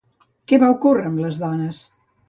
Què va ocórrer amb les dones?